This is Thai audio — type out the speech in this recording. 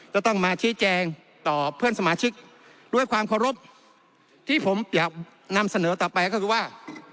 จะต้องมาชี้แจงต่อเพื่อนสมาชิกด้วยความเคารพที่ผมอยากนำเสนอต่อไปก็คือว่า